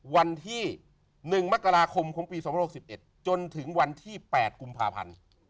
วันที่๑มกราคมของปี๒๖๑จนถึงวันที่๘กุมภาพันธ์